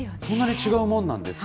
違うもんなんですか。